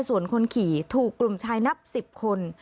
ส่วนคนขี่ถูกกลุ่มชายนับ๑๐คน